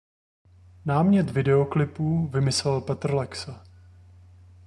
Námět videoklipu vymyslel Petr Lexa.